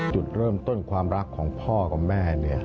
จุดเริ่มต้นความรักของพ่อกับแม่เนี่ย